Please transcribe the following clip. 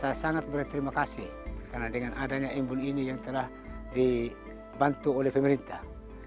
saya sangat berterima kasih karena dengan adanya imbun ini yang telah dibantu oleh pemerintah